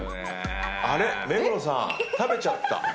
あれっ？目黒さん食べちゃった。